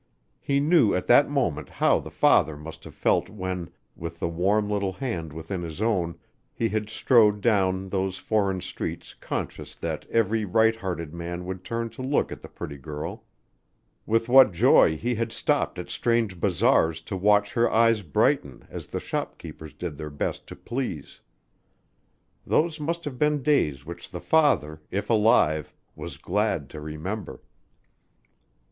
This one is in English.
He knew at that moment how the father must have felt when, with the warm little hand within his own, he had strode down those foreign streets conscious that every right hearted man would turn to look at the pretty girl; with what joy he had stopped at strange bazaars to watch her eyes brighten as the shopkeepers did their best to please. Those must have been days which the father, if alive, was glad to remember.